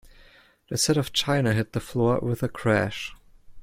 The set of china hit the floor with a crash.